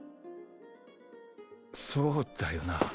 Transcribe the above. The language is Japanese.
そうだよな。